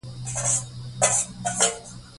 پملا خپل نوم په څلورمه ګڼه کې بدل کړ.